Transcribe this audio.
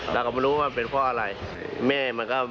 เราก็ไม่รู้ว่ามันเป็นเพราะอะไร